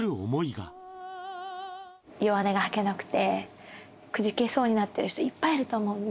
弱音が吐けなくて、くじけそうになってる人いっぱいいると思うんで。